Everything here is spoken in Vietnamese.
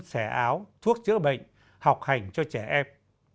xẻ áo thuốc chữa bệnh học hành cho trẻ em